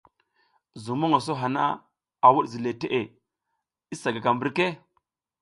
Zuŋ mongoso hana, a wuɗ ziley teʼe, i sa gaka mbirke.